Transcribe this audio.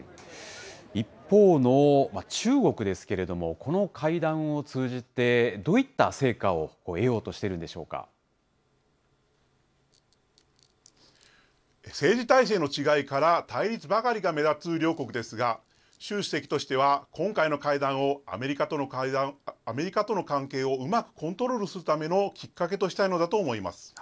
一方の中国ですけれども、この会談を通じて、どういった成果政治体制の違いから、対立ばかりが目立つ両国ですが、習主席としては、今回の会談をアメリカとの関係をうまくコントロールするためのきっかけとしたいのだと思います。